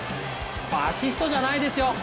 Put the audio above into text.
アシストじゃないですよ！